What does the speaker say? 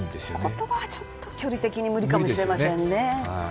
言葉は距離的に無理かもしれませんね。